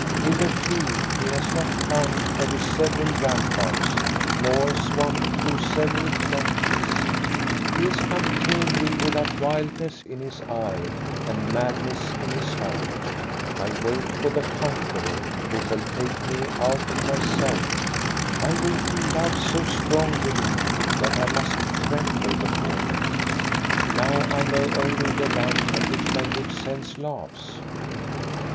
" Hitherto he has not climbed over several ramparts, nor swum through several trenches. He has come tamely, without wildness in his eye and madness in his heart I wait for the conqueror, who shall take me out of myself I mil feel love so strong within me that I must tremble before him ; now I know only the love at which my good sense laughs."